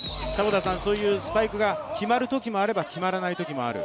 スパイクが決まるときもあれば決まらないときもある。